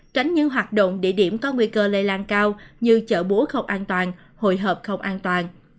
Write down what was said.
tránh những hoạt động địa điểm có nguy cơ lây lan cao như chợ búa không an toàn hồi hộp không an toàn